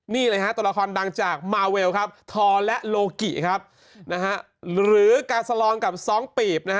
นี่เลยฮะตัวละครดังจากมาเวลครับทอและโลกิครับหรือกาสลอนกับ๒ปีบ